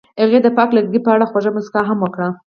هغې د پاک لرګی په اړه خوږه موسکا هم وکړه.